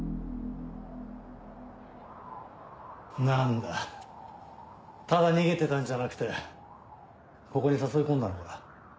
何だただ逃げてたんじゃなくてここに誘い込んだのか。